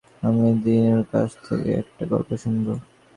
আমি দিনুর কাছ থেকে একটা গল্প শুনব।